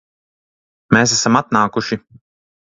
Mēs esam atnākuši